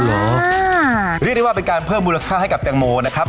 เรียกได้ว่าเป็นการเพิ่มมูลค่าให้กับแตงโมนะครับ